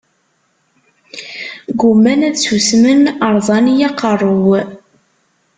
Gumman ad susmen, rẓan-iyi aqerru-w.